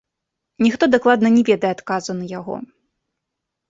Ніхто дакладна не ведае адказу на яго.